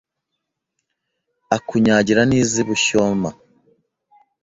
Akunyagira n'iz'i Bushyoma